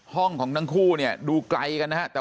ห้องของทั้งคู่เนี่ยดูไกลกันนะฮะ